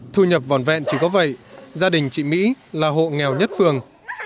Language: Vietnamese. thu nhập vòn vẹn chỉ có vậy gia đình chị mỹ là hộ nghèo nhất phường